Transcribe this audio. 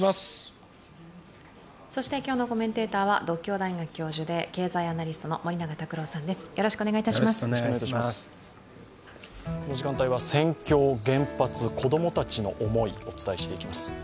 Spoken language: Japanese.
そして、今日のコメンテーターは独協大学教授で経済アナリストの森永卓郎さんです。